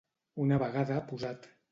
Una vegada posat.